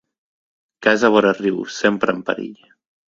Casa vora riu, sempre en perill.